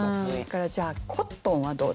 じゃあ「コットン」はどうですか？